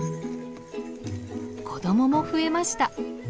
子どもも増えました。